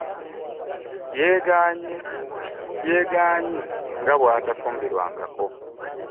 Yegaanyi nga bwatafumbirwangako.